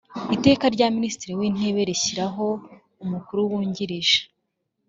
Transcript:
Iteka rya Minisitiri w’Intebe rishyiraho Umukuru Wungirije